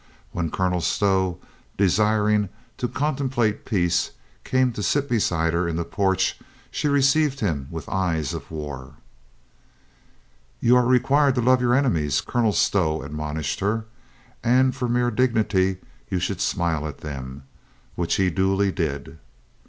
When Colonel Stow, desiring to contemplate peace, came to sit beside her in the porch, she received him with eyes of war. 87 88 COLONEL GREATHEART "You are required to love your enemies," Colonel Stow admonished her, "and for mere dignity you should smile at them," which he duly did.